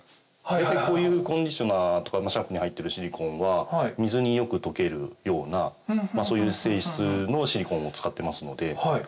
大体こういうコンディショナーとかシャンプーに入っているシリコーンは水によく溶けるようなそういう性質のシリコーンを使ってますので。